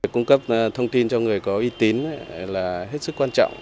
cung cấp thông tin cho người có uy tín